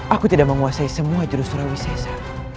aku tidak menguasai semua jurus surawi sesa